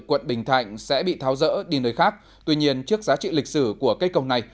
quận bình thạnh sẽ bị tháo rỡ đi nơi khác tuy nhiên trước giá trị lịch sử của cây cầu này